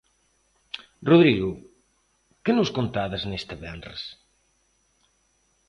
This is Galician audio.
Rodrigo, que nos contades neste venres?